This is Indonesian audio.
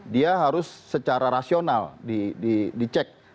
dia harus secara rasional dicek